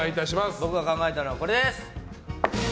僕が考えたのはこれです。